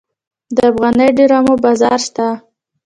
د افغاني ډرامو بازار شته؟